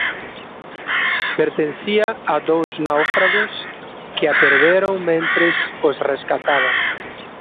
Pertencía a dous náufragos que a perderon mentres os rescataban.